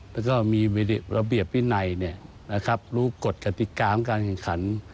แล้วก็มีระเบียบวินัยรู้กฎกติกาของการแข่งขัน